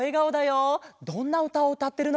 どんなうたをうたってるのかな？